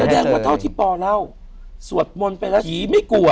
สุดแยะเหมือนเท่าที่ปอเนาสวดมนต์ไปแล้วผีไม่กลัว